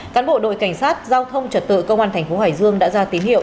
cán bộ đội cảnh sát giao thông trật tự công an thành phố hải dương đã ra tín hiệu